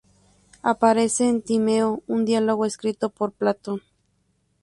Aparece en "Timeo", un diálogo escrito por Platón.